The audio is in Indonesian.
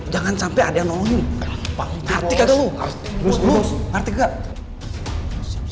jangan sampai mereka lolos jangan sampai ada yang nolongin